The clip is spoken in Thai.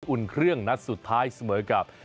อุ่นเครื่องนัดสุดท้ายเสมอกับ